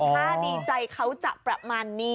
ถ้าดีใจเขาจะประมาณนี้